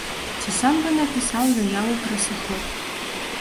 Ці сам бы напісаў заяву пра сыход.